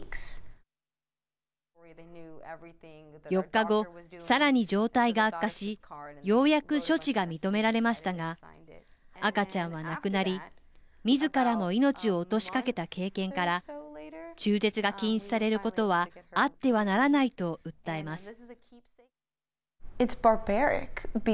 ４日後、さらに状態が悪化しようやく処置が認められましたが赤ちゃんは亡くなりみずからも命を落としかけた経験から中絶が禁止されることはあってはならないと訴えます。